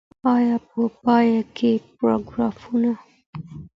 او په پای کي پاراګرافونه.